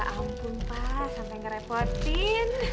ya ampun pak sampai ngerepotin